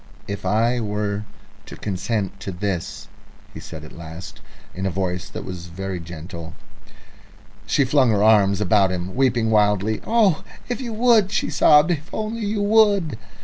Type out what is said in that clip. "If I were to consent to this?" he said at last, in a voice that was very gentle. She flung her arms about him, weeping wildly. "Oh, if you would," she sobbed, "if only you would!"